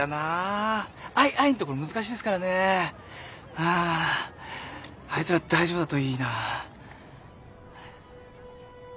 あああいつら大丈夫だといいな。